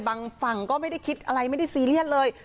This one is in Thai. บางฝั่งก็ไม่ได้คิดอะไรไม่ได้ซีเรียสเลย